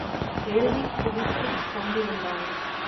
எழுதிக் குவித்துக் கொண்டிருந்தான்.